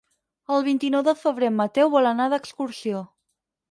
El vint-i-nou de febrer en Mateu vol anar d'excursió.